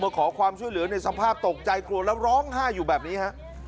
ขอความช่วยเหลือในสภาพตกใจกลัวแล้วร้องไห้อยู่แบบนี้ฮะ